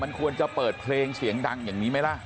มันควรจะเปิดเพลงเสียงดังอย่างนี้ไหมล่ะ